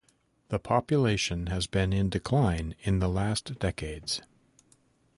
The population has been in decline in the last decades.